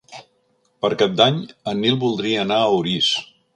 Per Cap d'Any en Nil voldria anar a Orís.